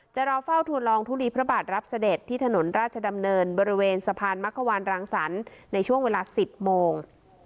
รอเฝ้าทัวลองทุลีพระบาทรับเสด็จที่ถนนราชดำเนินบริเวณสะพานมะขวานรังสรรค์ในช่วงเวลา๑๐โมง